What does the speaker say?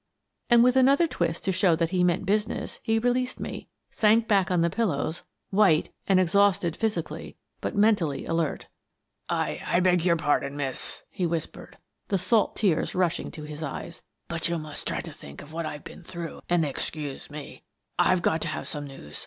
And, with another twist to show that he meant business, he released me, and sank back on the pil lows, white and exhausted physically, but mentally alert. "I — I beg your pardon, Miss," he whispered, the salt tears rushing to his eyes, "but you must try to think of what I've been through and excuse me. I've just got to have some news.